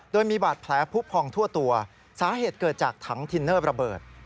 โดยมีบาดแผลผู้พองทั่วตัวสาเหตุเกิดจากถังทินเนอร์ระเบิด